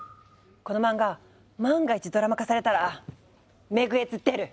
このマンガ万が一ドラマ化されたらメグエツ出る？